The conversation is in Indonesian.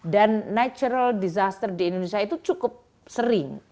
dan natural disaster di indonesia itu cukup sering